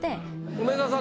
梅沢さん